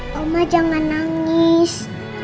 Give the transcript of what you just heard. mama jangan nangis